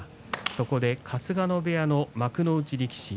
そこで春日野部屋の幕内力士